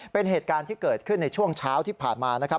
เป็นเหตุการณ์ที่เกิดขึ้นในช่วงเช้าที่ผ่านมานะครับ